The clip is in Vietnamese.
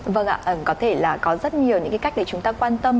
vâng ạ có thể là có rất nhiều những cái cách để chúng ta quan tâm